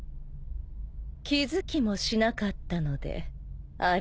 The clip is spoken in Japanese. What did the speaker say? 気付きもしなかったのでありんすね。